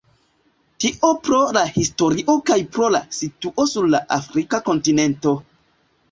Tio pro la historio kaj pro la situo sur la afrika kontinento.